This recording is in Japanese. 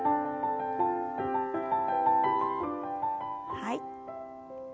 はい。